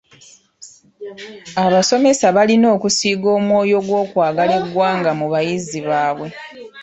Abasomesa balina okusiga omwoyo gw'okwagala eggwanga mu bayizi baabwe.